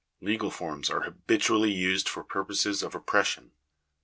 Legal forms are habitually used for purposes of oppres sion.